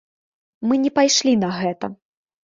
Мы не пайшлі на гэта.